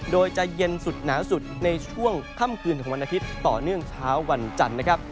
โดยจะเย็นสุดหนาวสุดในช่วงค่ำคืนของวันอาทิตย์ต่อเนื่องเช้าวันจันทร์นะครับ